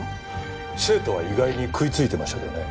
生徒は意外に食いついてましたけどね。